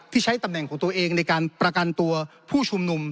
ใช้ตำแหน่งของตัวเองในการประกันตัวผู้ชุมนุม